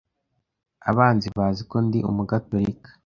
Abanzi, bazi ko ndi Umugatolika.